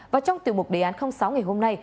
và trong tiểu mục đề án sáu ngày hôm nay